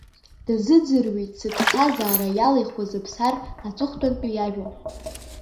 Дазыӡырҩит зыԥсҭазара иалихуаз Аԥсар аҵыхәтәантәи иажәа.